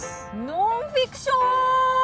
ノンフィクション！